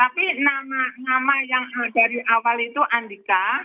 tapi nama nama yang dari awal itu andika